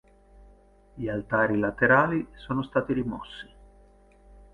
Gli altari laterali sono stati rimossi.